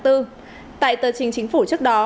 tại tờ chính chính phủ trước đó